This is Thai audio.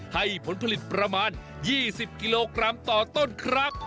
ให้ผลผลิตประมาณ๒๐กิโลกรัมต่อต้นครับ